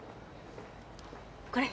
これ。